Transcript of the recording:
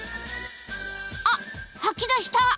あっ吐き出した！